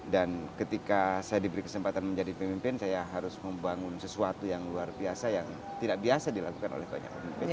dan ketika saya diberi kesempatan menjadi pemimpin saya harus membangun sesuatu yang luar biasa yang tidak biasa dilakukan oleh banyak orang